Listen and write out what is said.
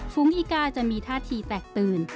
ฝูงอีกาจะมีท่าทีแตกตื่น